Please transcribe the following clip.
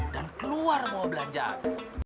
dan keluar bawa belanjaan